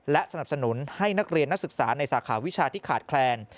และสนับสนุนให้นักเรียนนักศึกษาในสาขาวิชาที่ขาดแคลน